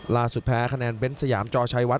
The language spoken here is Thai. แพ้คะแนนเบ้นสยามจอชัยวัด